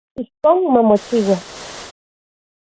Ijkon mamochiua.